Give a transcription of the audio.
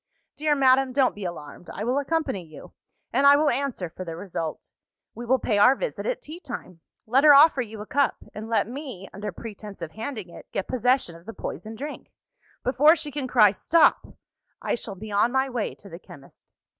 "Dear madam, don't be alarmed! I will accompany you; and I will answer for the result. We will pay our visit at tea time. Let her offer you a cup and let me (under pretence of handing it) get possession of the poisoned drink. Before she can cry Stop! I shall be on my way to the chemist.